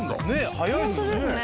早いですね。